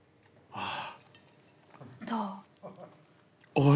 ああ。